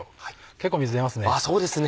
結構水出ますね。